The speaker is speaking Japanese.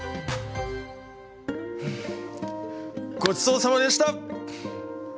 うんごちそうさまでした！